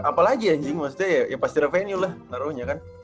apalagi anjing maksudnya ya pasti revenue lah naruhnya kan